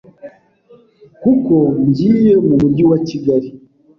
Kuko ngiye mu mujyi wa kigali